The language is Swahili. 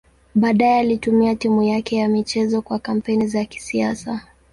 Baadaye alitumia timu yake ya michezo kwa kampeni za kisiasa.